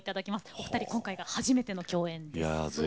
お二人は今日初めての共演です。